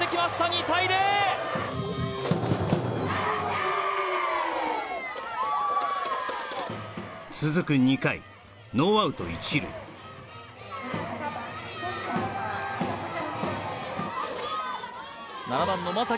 ２対０続く２回ノーアウト一塁７番の真崎